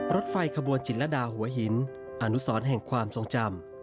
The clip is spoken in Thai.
รถไฟขบวนจิลดาหัวหินอนุสรแห่งความทรงจำ